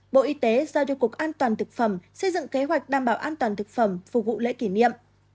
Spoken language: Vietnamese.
bộ y tế giao cho cục an toàn thực phẩm xây dựng kế hoạch đảm bảo an toàn thực phẩm phục vụ lễ kỷ niệm